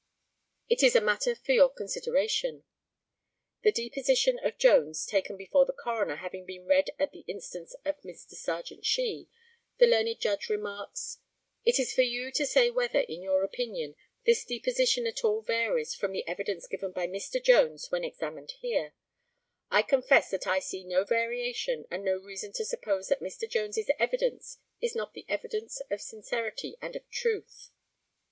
It is a matter for your consideration. [The deposition of Jones taken before the coroner having been read at the instance of Mr. Serjeant Shee, the learned Judge remarks, ] It is for you to say whether, in your opinion, this deposition at all varies from the evidence given by Mr. Jones when examined here; I confess that I see no variation and no reason to suppose that Mr. Jones's evidence is not the evidence of sincerity and of truth.